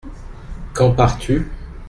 Quand pars-tu ?